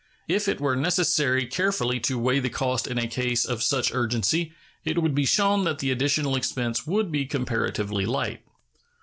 If it were necessary carefully to weigh the cost in a case of such urgency, it would be shown that the additional expense would be comparatively light.